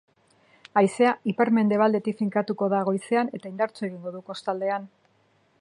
Haizea ipar-mendebaldetik finkatuko da goizean eta indartu egingo da kostaldean.